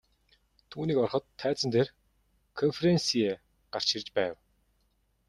Түүнийг ороход тайзан дээр КОНФЕРАНСЬЕ гарч ирж байв.